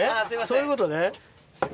そういうことね。